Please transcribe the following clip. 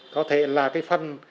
có thể là cái phần